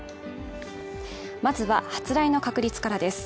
まずは発雷の確率からです